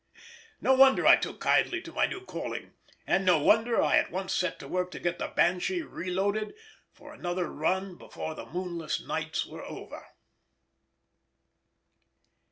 No wonder I took kindly to my new calling, and no wonder I at once set to work to get the Banshee reloaded for another run before the moonless nights were over.